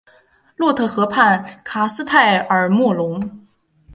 洛特河畔卡斯泰尔莫龙。